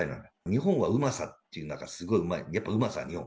日本はうまさっていう、すごいうまい、やっぱうまさは日本。